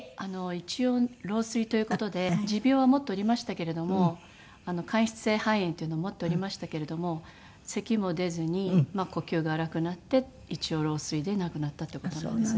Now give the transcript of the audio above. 一応老衰という事で持病は持っておりましたけれども間質性肺炎っていうのを持っておりましたけれどもせきも出ずに呼吸が荒くなって一応老衰で亡くなったっていう事なんですね。